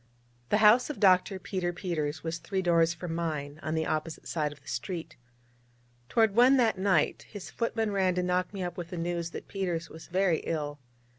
The house of Dr. Peter Peters was three doors from mine, on the opposite side of the street. Toward one that night, his footman ran to knock me up with the news that Peters was very ill.